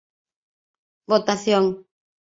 Votación.